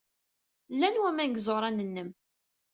Llan waman deg yiẓuran-nnem.